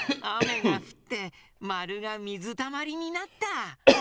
あめがふってまるがみずたまりになった！